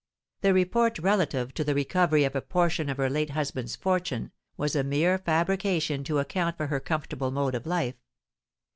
The report relative to the recovery of a portion of her late husband's fortune, was a mere fabrication to account for her comfortable mode of life.